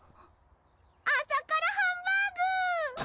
あさからハンバーグ！